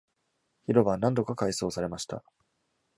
広場は何度か改装されました。